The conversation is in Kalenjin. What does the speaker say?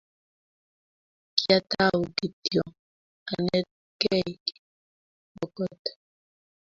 kiatau kityo anetgei pokot